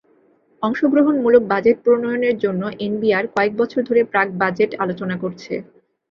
অংশগ্রহণমূলক বাজেট প্রণয়নের জন্য এনবিআর কয়েক বছর ধরে প্রাক-বাজেট আলোচনা করছে।